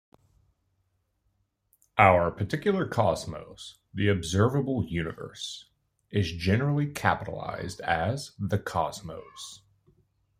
Our particular cosmos, the observable universe, is generally capitalized as "the Cosmos".